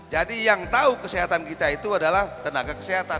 jadi yang tahu kesehatan kita itu adalah tenaga kesehatan